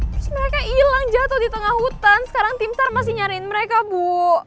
terus mereka hilang jatuh di tengah hutan sekarang timtar masih nyariin mereka bu